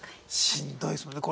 しんどいですもんね。